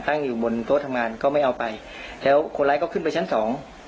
อยู่บนโต๊ะทำงานก็ไม่เอาไปแล้วคนร้ายก็ขึ้นไปชั้นสอง